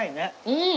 うん！